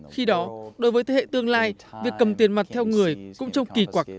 khi đó đối với thế hệ tương lai việc cầm tiền mặt theo người cũng trông kỳ quặc